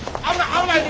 危ないで。